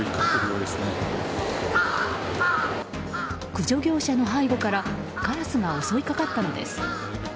駆除業者の背後からカラスが襲いかかったのです。